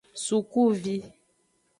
Sukuvi.